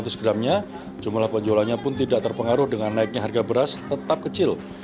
seratus gramnya jumlah penjualannya pun tidak terpengaruh dengan naiknya harga beras tetap kecil